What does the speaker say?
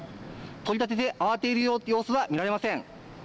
取り立てて慌てる様子は見られません。